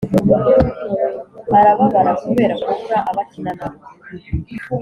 Arababara kubera kubura abo akina na bo.